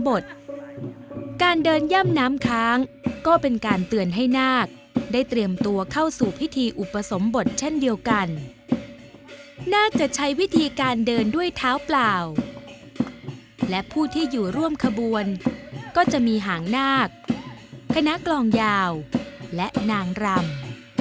การเดินย่ำน้ำค้างก็เป็นการเตือนให้นาคได้เตรียมตัวเข้าสู่พิธีอุปสมบทเช่นเดียวกันน่าจะใช้วิธีการเดินด้วยเท้าเปล่าและผู้ที่อยู่ร่วมขบวนก็จะมีหางนาคคณะกลองยาวและนางรำ